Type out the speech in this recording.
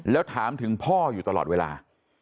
แล้วถามถึงพ่ออยู่ตลอดเวลา